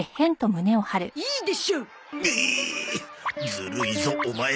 ずるいぞオマエ